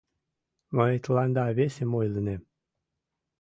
Мый тыланда весым ойлынем.